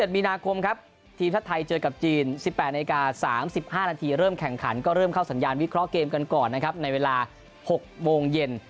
มีนาคมครับทีมชาติไทยเจอกับจีน๑๘นาที๓๕นาทีเริ่มแข่งขันก็เริ่มเข้าสัญญาณวิเคราะห์เกมกันก่อนนะครับในเวลา๖โมงเย็น